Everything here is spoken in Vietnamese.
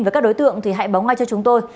với các đối tượng thì hãy báo ngay cho chúng tôi